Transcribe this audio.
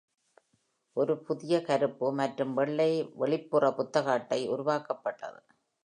ஒரு புதிய கருப்பு மற்றும் வெள்ளை வெளிப்புற புத்தக அட்டை உருவாக்கப்பட்டது.